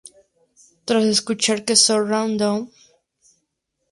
Tras escuchar que So Random!